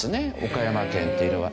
岡山県っていうのは。